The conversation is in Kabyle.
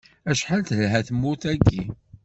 Acḥal telha tmurt-agi!